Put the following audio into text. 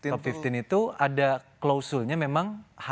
top lima belas itu ada klausulnya memang harus mengikuti beberapa hal